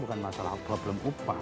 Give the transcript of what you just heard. demi allah saya bersumpah